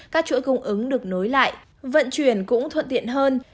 các chuỗi cung ứng được nối lại vận chuyển cũng thuận tiện hơn